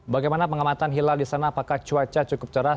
bagaimana pengamatan hilal di sana apakah cuaca cukup cerah